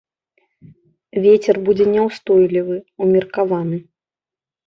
Вецер будзе няўстойлівы, умеркаваны.